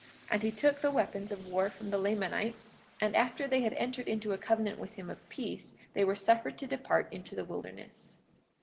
And he took the weapons of war from the Lamanites; and after they had entered into a covenant with him of peace they were suffered to depart into the wilderness.